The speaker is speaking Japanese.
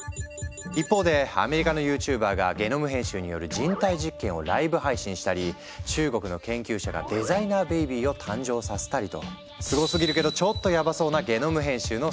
一方でアメリカのＹｏｕＴｕｂｅｒがゲノム編集による人体実験をライブ配信したり中国の研究者がデザイナーベビーを誕生させたりとすごすぎるけどちょっとヤバそうなゲノム編集の世界。